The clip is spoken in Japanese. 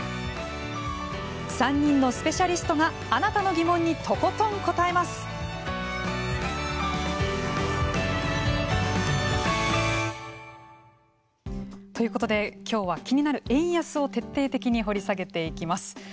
３人のスペシャリストがあなたの疑問にとことん答えます。ということできょうは気になる円安を徹底的に掘り下げていきます。